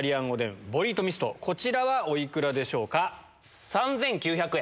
こちらはお幾らでしょうか？